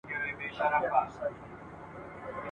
پرېماني د نعمتونو د ځنګله وه !.